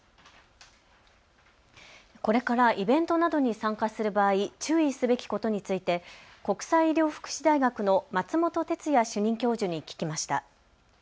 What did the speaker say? これからイベントなどに参加する場合、注意すべきことについて国際医療福祉大学の松本哲哉主任教授に聞きました。